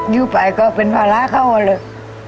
อยู่ไปก็เป็นภาระเขาเลย